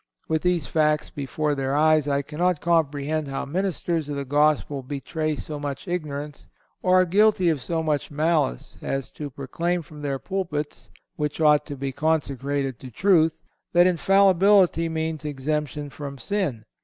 With these facts before their eyes, I cannot comprehend how ministers of the Gospel betray so much ignorance, or are guilty of so much malice, as to proclaim from their pulpits, which ought to be consecrated to truth, that Infallibility means exemption from sin.